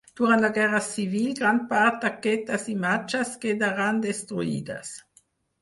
Durant la Guerra Civil gran part d'aquestes imatges quedaren destruïdes.